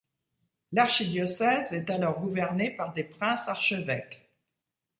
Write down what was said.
L'archidiocèse est alors gouverné par des princes-archevêques.